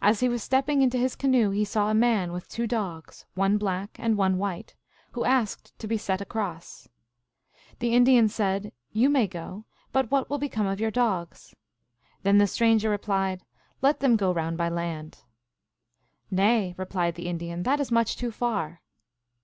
As he was stepping into his canoe he saw a man with two dogs, one black and one white, who asked to be set across. The Indian said, " You may go, but what will become of your dogs ?" Then the stranger replied, " Let them go round by land." " Nay," replied the Indian, " that is much too far."